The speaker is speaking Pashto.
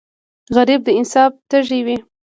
غریب د انصاف تږی وي